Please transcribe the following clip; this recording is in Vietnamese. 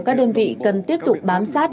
các đơn vị cần tiếp tục bám sát